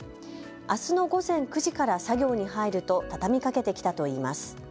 あすの午前９時から作業に入ると畳みかけてきたといいます。